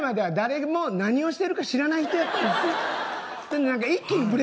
１年前までは誰も何をしてるか知らない人やった。